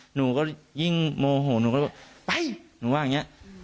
หนูก็ยิ่งโมโหหนูก็เลยบอกไปหนูว่าอย่างนี้